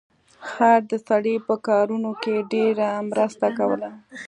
خر د سړي په کارونو کې ډیره مرسته کوله.